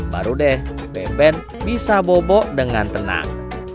baru deh beben bisa bobo dengan tenang